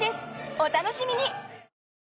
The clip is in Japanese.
お楽しみに！